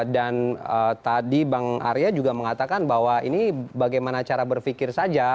dan tadi bang arya juga mengatakan bahwa ini bagaimana cara berpikir saja